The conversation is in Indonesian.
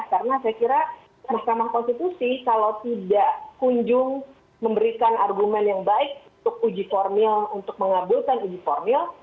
karena saya kira mahkamah konstitusi kalau tidak kunjung memberikan argumen yang baik untuk mengabulkan uji formil